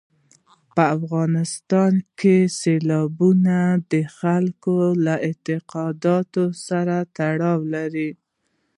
په افغانستان کې سیلابونه د خلکو له اعتقاداتو سره تړاو لري.